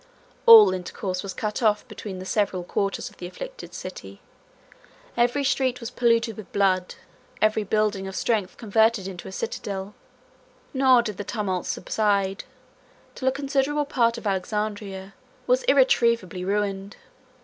175 All intercourse was cut off between the several quarters of the afflicted city, every street was polluted with blood, every building of strength converted into a citadel; nor did the tumults subside till a considerable part of Alexandria was irretrievably ruined.